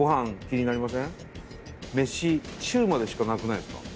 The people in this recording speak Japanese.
めし中までしかなくないですか？